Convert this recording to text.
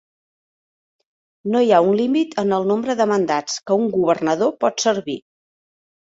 No hi ha un límit en el nombre de mandats que un governador pot servir.